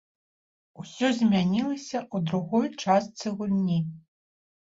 Усё змянілася ў другой частцы гульні.